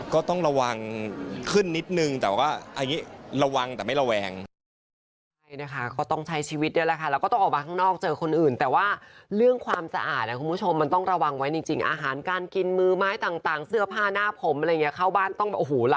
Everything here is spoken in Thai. ก็ต้องระวังขึ้นนิดนึงแต่ว่าอันนี้ระวังแต่ไม่ระแวง